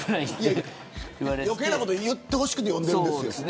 余計なこと言ってほしくて呼んでるんですよ。